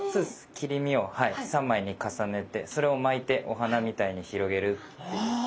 切り身を３枚に重ねてそれを巻いてお花みたいに広げるっていう。